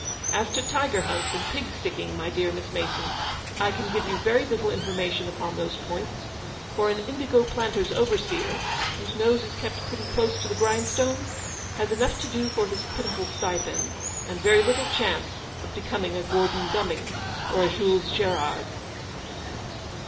As to tiger hunts and pig sticking, my dear Miss Mason, I can give you very little information upon those points, for an indigo planter's overseer* LATJNCELOT. 295 whose nose is kept pretty close to the grindstone, has enough to do for his pitiful stipend, and very little chance of becoming a Gordon Cumming or a Jules Gerard.